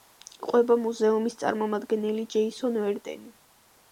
ყვება მუზეუმის წარმომადგენელი, ჯეისონ ვერდენი.